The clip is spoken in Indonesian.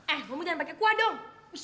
eh lo mau jangan pake kuah dong